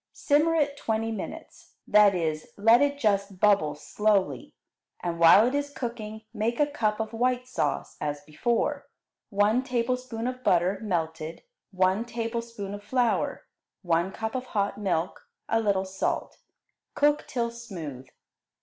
Simmer it twenty minutes, that is, let it just bubble slowly, and while it is cooking make a cup of white sauce as before: one tablespoonful of butter, melted, one tablespoonful of flour, one cup of hot milk, a little salt. Cook till smooth.